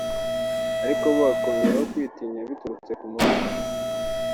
ariko bo hakiyongeraho kwitinya biturutse ku muco